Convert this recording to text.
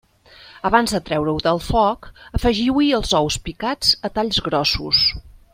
Abans de treure-ho del foc, afegiu-hi els ous picats a talls grossos.